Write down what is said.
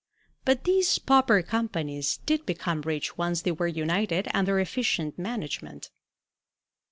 But these pauper companies did become rich once they were united under efficient management.